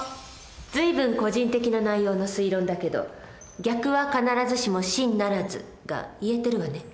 随分個人的な内容の推論だけど「逆は必ずしも真ならず」が言えてるわね。